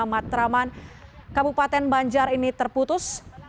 enam puluh lima matraman kabupaten banjar ini terputus